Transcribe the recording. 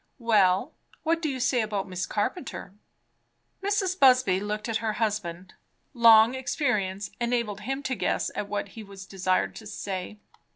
Well, what do you say about Miss Carpenter?" Mrs. Busby looked at her husband. Long experience enabled him to guess at what he was desired to say.